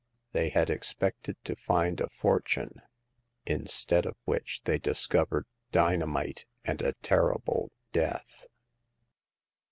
They had expected to find a fortune, instead of which they discovered dynamite and a terrible death.